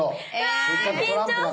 わ緊張する！